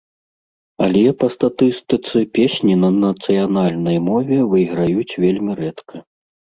Але па статыстыцы песні на нацыянальнай мове выйграюць вельмі рэдка.